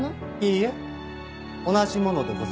いいえ同じものでございます。